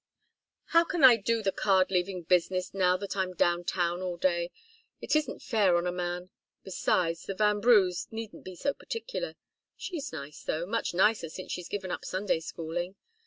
"How can I do the card leaving business now that I'm down town all day? It isn't fair on a man. Besides, the Vanbrughs needn't be so particular. She's nice, though much nicer since she's given up Sunday schooling.